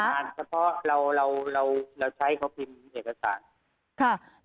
เราใช้เค้าพิมพ์เอกสาร